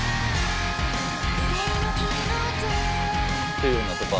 っていうのとか。